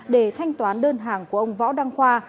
để thanh toán đơn hàng của ông võ đăng khoa